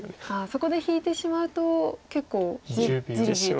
そこで引いてしまうと結構じりじりと。